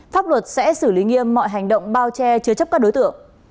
pháp luật sẽ xử lý nghiêm mọi hành động bao che chứa chấp các đối tượng